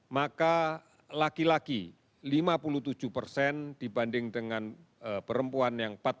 maka laki laki lima puluh tujuh persen dibanding dengan perempuan yang empat puluh lima